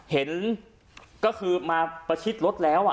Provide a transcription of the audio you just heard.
เห็นก็คือมาประชิดรถแล้ว